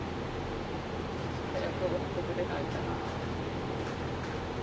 早く終わってくれないかなと思って。